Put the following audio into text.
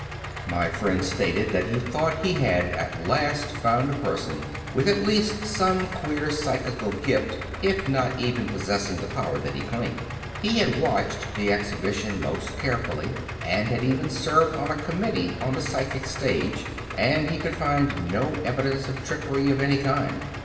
My friend stated that he thought he had at last found a person with at least some queer psychical gift, if not even possessing the power that he claimed. He had watched the exhibition most carefully, and had even served on a committee on the psychic's stage ; and he could find no evidence of trickery of any kind.